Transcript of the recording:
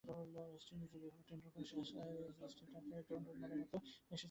West ইন্ডিজের বিপক্ষে টেন্ডুলকারের শেষ টেস্টটাতেই প্রথমবারের মতো মাঠে এসেছিলেন তিনি।